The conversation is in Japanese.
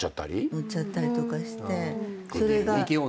乗っちゃったりとかして。